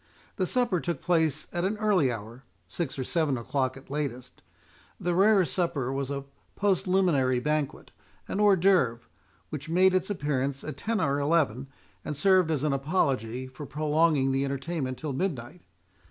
The supper took place at an early hour, six or seven o'clock at latest—the rere supper was a postliminary banquet, a hors d'œuvre, which made its appearance at ten or eleven, and served as an apology for prolonging the entertainment till midnight.